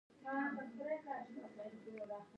پورتنۍ معادله په لاندې طریقو توازن کولی شئ.